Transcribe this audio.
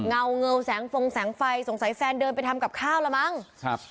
เงาเงาแสงฟงแสงไฟสงสัยแฟนเดินไปทำกับข้าวละมั้งครับ